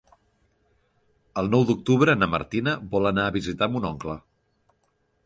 El nou d'octubre na Martina vol anar a visitar mon oncle.